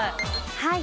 はい。